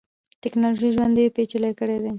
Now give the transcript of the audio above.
ټکنالوژۍ ژوند ډیر پېچلی کړیدی.